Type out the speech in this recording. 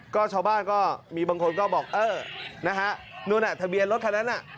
ก็ชาวบ้านก็มีบางคนก็บอกเออนะฮะนู่นน่ะทะเบียนรถคันนั้นน่ะ